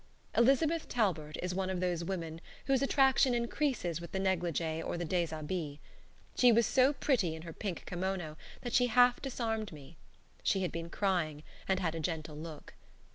Elizabeth Talbert is one of those women whose attraction increases with the negligee or the deshabille. She was so pretty in her pink kimono that she half disarmed me. She had been crying, and had a gentle look.